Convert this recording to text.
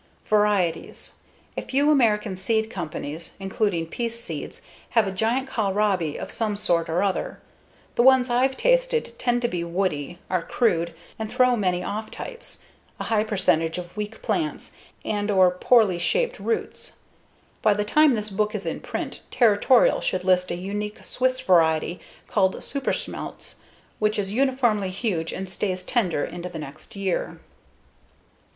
Varieties: A few American seed companies, including Peace Seeds, have a giant kohlrabi of some sort or other. The ones I've tested tend to be woody, are crude, and throw many off types, a high percentage of weak plants, and/or poorly shaped roots. By the time this book is in print, Territorial should list a unique Swiss variety called Superschmeltz, which is uniformly huge and stays tender into the next year.